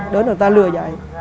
đến người ta lừa vậy